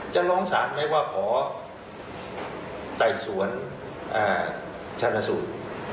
จะร้องสารไหมว่าขอไต่สวนชนสูตร